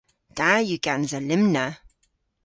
Da yw gansa lymna.